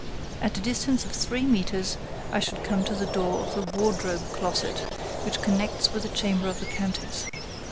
At a distance of three metres, I should come to the door of the wardrobe closet which connects with the chamber of the countess."